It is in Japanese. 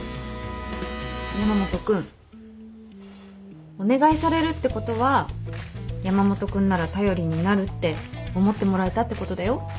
山本君お願いされるってことは山本君なら頼りになるって思ってもらえたってことだよ。